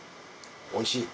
おいしい。